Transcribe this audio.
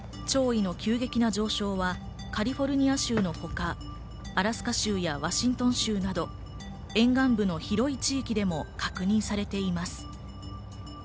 潮位の急激な上昇はカリフォルニア州のほか、アラスカ州やワシントン州など沿岸部の広い地域でも確認されています。